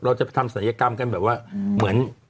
เราจะไปทำศัลยกรรมกันแบบว่าเหมือน